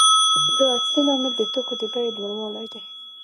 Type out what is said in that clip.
دا اصلي لامل د توکو د بیې لوړوالی دی